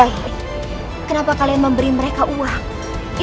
ini aneh sekali